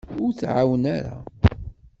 Ur tɛawen ara.